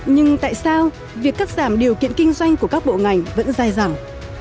nhưng tại sao việc cắt giảm điều kiện kinh doanh của các bộ ngành vẫn dài dẳng